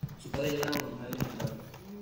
Sus padres llegan a Buenos Aires en barco.